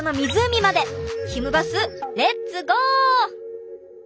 ひむバスレッツゴー！